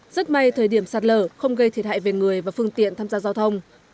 rất may thời điểm sạt lở không gây thiệt hại về người và phương tiện tham gia giao thông